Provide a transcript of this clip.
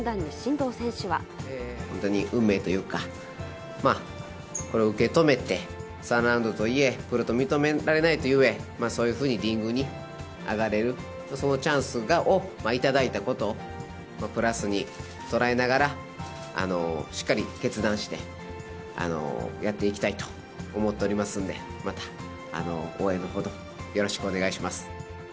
本当に運命というか、まあ、これを受け止めて、３ラウンドとはいえ、プロと認められないとはいえ、そういうふうにリングに上がれる、そのチャンスを頂いたことをプラスに捉えながら、しっかり決断して、やっていきたいと思っておりますので、また応援のほどよろしくお願いします。